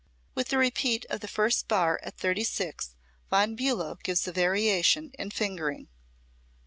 With the repeat of the first at bar 36 Von Bulow gives a variation in fingering.